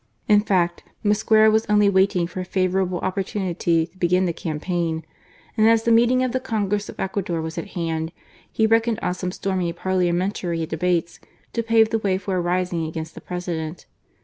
In fact. THE CONGRESS OF 1863. 135 Mosquera was only waiting for a favourable oppor tunity to begin the campaign ; and as the meeting of the Congress of Ecuador was at hand, he reckoned on some stormy parliamentary debates to pave the way for a rising against the President.